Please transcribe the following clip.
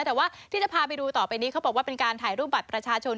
แต่ว่าที่จะพาไปดูต่อไปนี้เขาบอกว่าเป็นการถ่ายรูปบัตรประชาชน